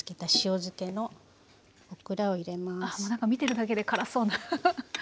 なんか見てるだけで辛そうな。